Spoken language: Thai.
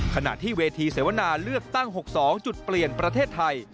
ขณะที่เวทีเสวนาเลือกตั้ง๖๒จุดเปลี่ยนประเทศไทย